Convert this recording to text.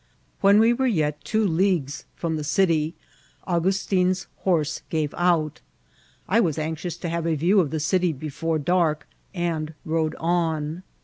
When we were yet two leagues frcnn the city Angus * tin's hcMrae gave out. I was anxious to have a view of the eity before dark, and rode on.